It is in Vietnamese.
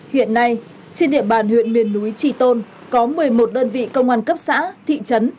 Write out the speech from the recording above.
hiện nay trên địa bàn huyện miền núi trì tôn có một mươi một đơn vị công an cấp xã thị trấn